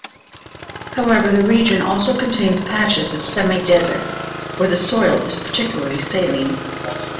However the region also contains patches of semi-desert where the soil is particularly saline.